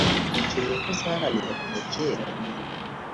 ikintu yahoze aharanira kuva kera